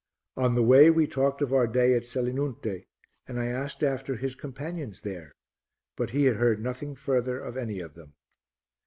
On the way we talked of our day at Selinunte and I asked after his companions there, but he had heard nothing further of any of them.